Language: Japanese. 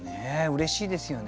うれしいですよね。